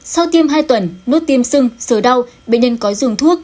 sau tiêm hai tuần nốt tiêm sưng sờ đau bệnh nhân có dùng thuốc